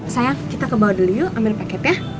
sayang kita ke bawah dulu yuk ambil paket ya